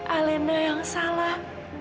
alena yang salah